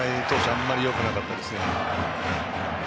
あんまりよくなかったですね。